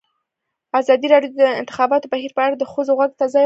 ازادي راډیو د د انتخاباتو بهیر په اړه د ښځو غږ ته ځای ورکړی.